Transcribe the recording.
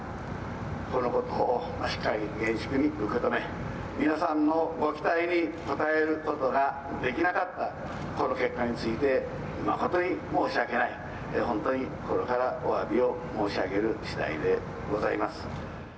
このことをしっかり厳粛に受け止め、皆さんのご期待に応えることができなかった、この結果について、誠に申し訳ない、本当に心からおわびを申し上げるしだいでございます。